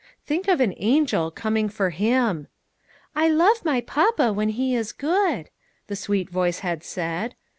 Think of an angel coming for him! "I love my papa when he is good!" the sweet voice had said.